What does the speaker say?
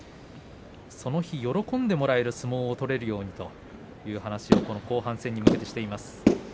その日、喜んでもらえる相撲を取れるようにという話を後半戦に向けていきしていました。